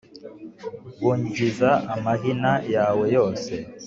Ngungiza amahina yawe yose